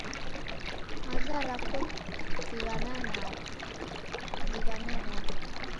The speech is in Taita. Maza rapo sighana naro zighana rako.